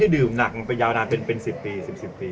ดื่มหนักลงไปยาวนานเป็น๑๐ปี๑๐ปี